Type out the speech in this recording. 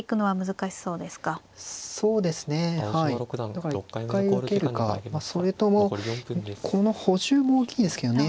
だから一回受けるかそれともこの補充も大きいですけどね。